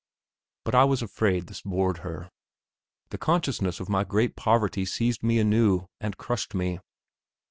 But I was afraid this bored her. The consciousness of my great poverty seized me anew, and crushed me.